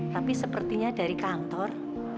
tapi sepertinya dari kantor